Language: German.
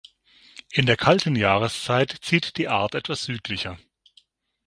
In der kalten Jahreszeit zieht die Art etwas südlicher.